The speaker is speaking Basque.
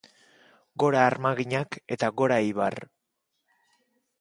Gora armaginak eta gora Eibar!